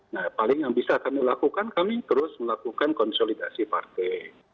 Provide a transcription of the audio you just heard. nah paling yang bisa kami lakukan kami terus melakukan konsolidasi partai